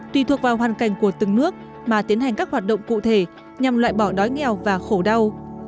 tùy thuộc vào hoàn cảnh của từng nước mà tiến hành các hoạt động cụ thể nhằm loại bỏ đói nghèo và khổ đau